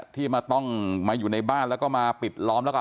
ที่มาต้องมาอยู่ในบ้านแล้วก็มาปิดล้อมแล้วก็